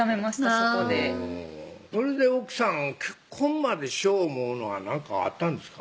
そこでそれで奥さん結婚までしよう思うのは何かあったんですか？